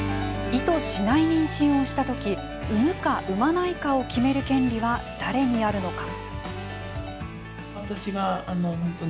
意図しない妊娠をしたとき産むか産まないかを決める権利は誰にあるのか。